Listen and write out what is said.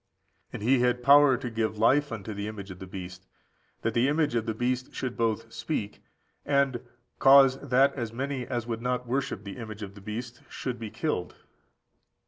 And he had power to give life unto the image of the beast, that the image of the beast should both speak, and cause that as many as would not worship the image of the beast should be killed.